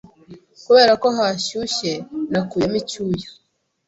Kubera ko hashyushye, nakuyemo icyuya.